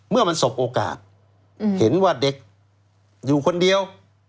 เมื่อมันสบโอกาสเห็นว่าเด็กอยู่คนเดียว